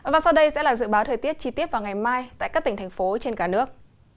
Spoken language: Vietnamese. và sau đây sẽ là dự báo thời tiết chi tiết vào ngày mai tại các tỉnh thành phố trên cả nước